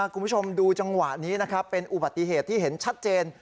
คุณผู้ชมดูจังหวะนี้นะครับเป็นอุบัติเหตุที่เห็นชัดเจน